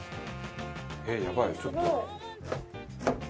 えっやばいちょっと。